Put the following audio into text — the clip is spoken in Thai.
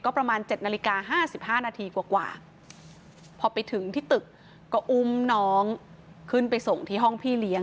ประมาณ๗นาฬิกา๕๕นาทีกว่าพอไปถึงที่ตึกก็อุ้มน้องขึ้นไปส่งที่ห้องพี่เลี้ยง